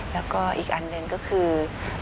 แล้วก็อีกอันหนึ่งก็คือ